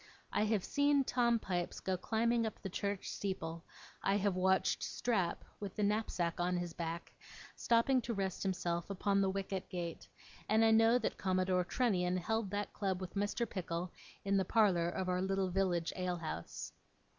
I have seen Tom Pipes go climbing up the church steeple; I have watched Strap, with the knapsack on his back, stopping to rest himself upon the wicket gate; and I know that Commodore Trunnion held that club with Mr. Pickle, in the parlour of our little village alehouse.